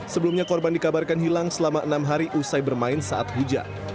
sebelumnya korban dikabarkan hilang selama enam hari usai bermain saat hujan